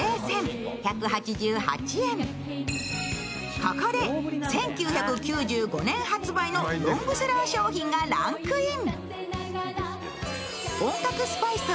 ここで１９９５年発売のロングセラー商品がランクイン。